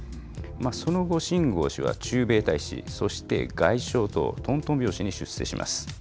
その後、秦剛氏は駐米大使、そして外相と、とんとん拍子に出世します。